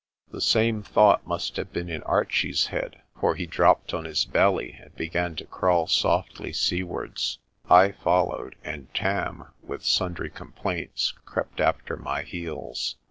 The same thought must have been in Archie's head, for he dropped on his belly and began to crawl softly seawards. I followed, and Tarn, with sundry complaints, crept after my heels.